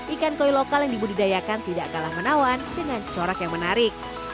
ikan koi lokal yang dibudidayakan tidak kalah menawan dengan corak yang menarik